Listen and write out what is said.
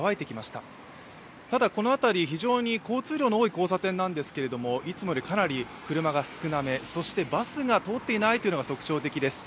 ただ、この辺り非常に交通量の多い交差点なんですがいつもよりかなり車が少なめ、そしてバスが通っていないというのが特徴的です。